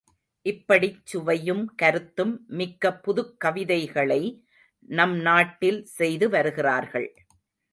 இப்படிச் சுவையும் கருத்தும் மிக்க புதுக் கவிதைகளை நம் நாட்டில் செய்து வருகிறார்கள்.